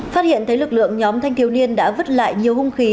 phát hiện thấy lực lượng nhóm thanh thiếu niên đã vứt lại nhiều hung khí